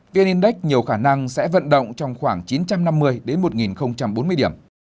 vn index nhiều khả năng sẽ vận động trong khoảng chín trăm năm mươi một nghìn bốn mươi điểm